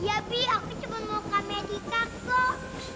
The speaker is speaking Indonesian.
iya bi aku cuma mau kamerita kok